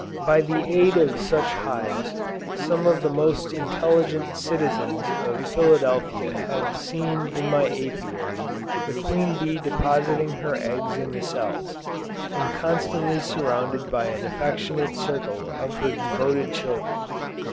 By the aid of such hives, some of the most intelligent citizens of Philadelphia have seen in my Apiary, the queen bee depositing her eggs in the cells, and constantly surrounded by an affectionate circle of her devoted children.